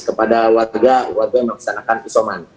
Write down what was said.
kepada warga warga yang melaksanakan isoman